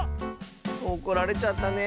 おこられちゃったね。